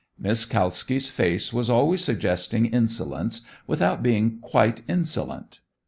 Miss Kalski's face was always suggesting insolence without being quite insolent.